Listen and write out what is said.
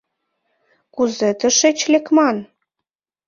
Кузе тышеч лекман?